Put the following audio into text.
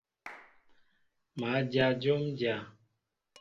Má dyă jǒm dyá.